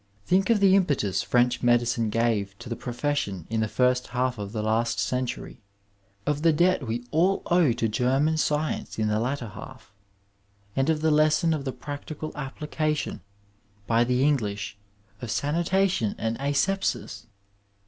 Think of the impetus French medicine gave to the pro fession in the first half of the last century, of the debt we all owe to Oerman sciefLoe in the latter half, and of the lesson of the practical application by the En^h of sani tation and asepsis